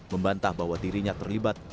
membantah bahwa dirinya terlibat